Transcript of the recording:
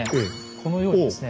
このようにですね